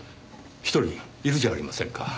一人いるじゃありませんか。